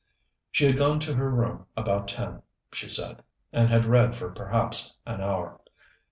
She had gone to her room about ten, she said, and had read for perhaps an hour.